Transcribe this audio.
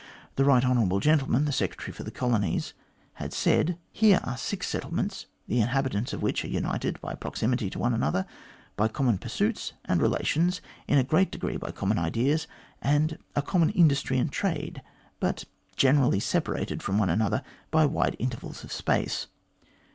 The right hon. gentleman, the Secretary for the Colonies, had said here are six settlements, the inhabitants of which are united by proximity to one another, by common pursuits and relations, in a great degree by common ideas, and a common industry and trade, but generally separated from one another by wide intervals of space.